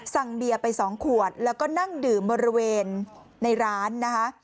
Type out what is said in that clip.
เบียร์ไป๒ขวดแล้วก็นั่งดื่มบริเวณในร้านนะคะ